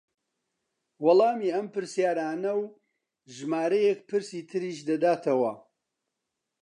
وەڵامی ئەم پرسیارانە و ژمارەیەک پرسی تریش دەداتەوە